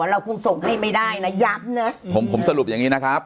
เราคงส่งให้ไม่ได้นะย้ำนะผมผมสรุปอย่างนี้นะครับ